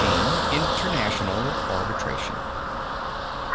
INTERNATIONAL ARBITRATION.